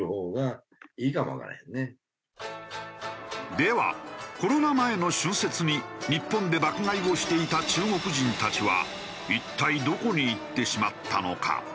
ではコロナ前の春節に日本で爆買いをしていた中国人たちは一体どこに行ってしまったのか？